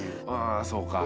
あそうか。